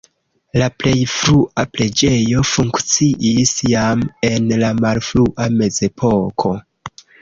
La plej frua preĝejo funkciis jam en la malfrua mezepoko.